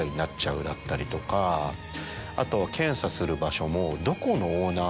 あと検査する場所も。